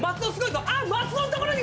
あっ松尾のところに。